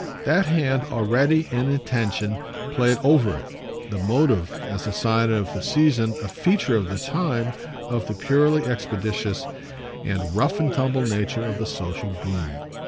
That hand already, in intention, played over it, the "motive," as a sign of the season, a feature of the time, of the purely expeditious and rough and tumble nature of the social boom.